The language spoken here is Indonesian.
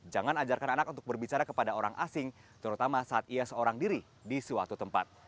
jangan ajarkan anak untuk berbicara kepada orang asing terutama saat ia seorang diri di suatu tempat